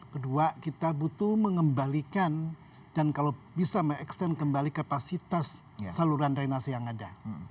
kedua kita butuh mengembalikan dan kalau bisa mengekstern kembali kapasitas saluran drainase yang ada